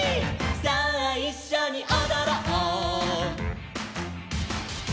さあいっしょにおどろう」